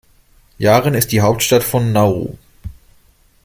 Yaren ist die Hauptstadt von Nauru.